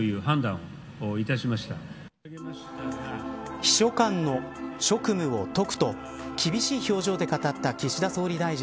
秘書官の職務を解くと厳しい表情で語った岸田総理大臣。